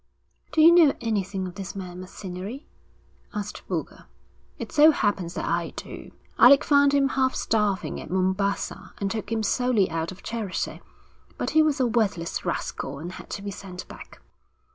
'Do you know anything of this man Macinnery?' asked Boulger. 'It so happens that I do. Alec found him half starving at Mombassa, and took him solely out of charity. But he was a worthless rascal and had to be sent back.'